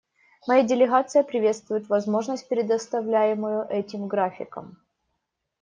Моя делегация приветствует возможность, предоставляемую этим графиком.